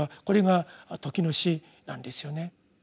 これが「時の詩」なんですよね。